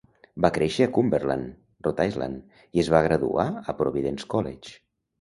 Va créixer a Cumberland, Rhode Island, i es va graduar a Providence College.